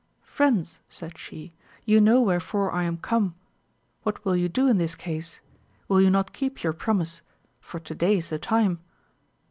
Friends, said she, you know wherefore I am come : what will you do in this case ? will you not keep your promise, for to day is the time?